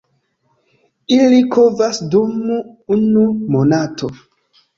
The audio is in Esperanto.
Ili kovas dum unu monato.